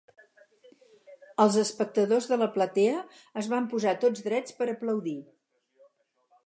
Els espectadors de la platea es van posar tots drets per aplaudir